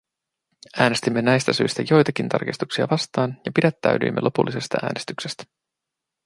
Äänestimme näistä syistä joitakin tarkistuksia vastaan ja pidättäydyimme lopullisesta äänestyksestä.